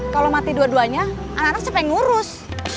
kalau mati dua duanya anak anak siapa yang ngurus